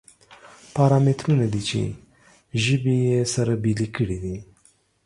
پارامترونه دي چې ژبې یې سره بېلې کړې دي.